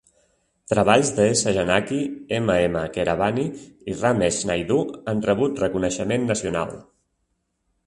Treballs de S. Janaki. M. M. Keeravani i Ramesh Naidu han rebut reconeixement nacional.